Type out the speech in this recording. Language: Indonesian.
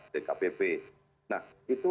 dkpp nah itu